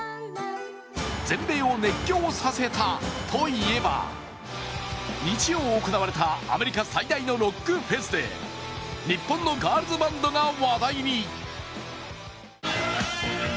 全米を熱狂させたといえば、日曜行われたアメリカ最大のロックフェスで日本のガールズバンドが話題に。